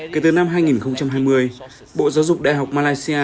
kể từ năm hai nghìn hai mươi bộ giáo dục đại học malaysia